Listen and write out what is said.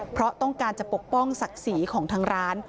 เพราะต้องการจะปกป้องศักดิ์ศรีของทางร้าน